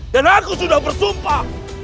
dan aku sudah bersumpah